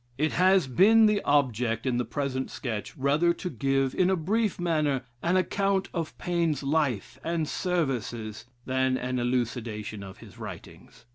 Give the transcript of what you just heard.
It has been the object in the present sketch rather to give, in a brief manner, an account of Paine's life and services, than an elucidation of his writings.